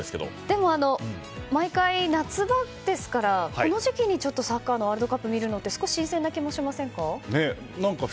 でも、毎回夏場ですからこの時期にサッカーのワールドカップを見るのは少し新鮮な気もしませんか？